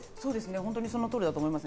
本当にその通りだと思いますね。